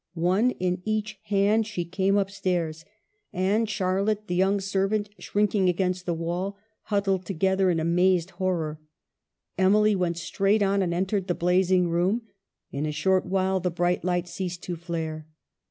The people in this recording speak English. One in each hand, she came up stairs. Anne, Charlotte, the young servant, shrinking against the wall, huddled together in amazed horror — Emily went straight on and entered the blazing room. In a short while the bright light ceased to flare.